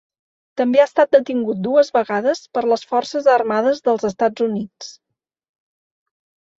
També ha estat detingut dues vegades per les forces armades dels Estats Units.